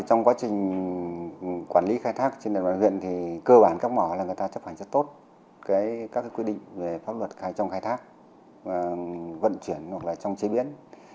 trong quá trình quản lý khai thác trên địa bàn huyện thì cơ bản các mỏ là người ta chấp hành rất tốt các quy định về pháp luật trong khai thác vận chuyển hoặc trong chế biến